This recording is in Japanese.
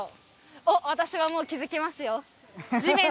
あっ私はもう気づきますよ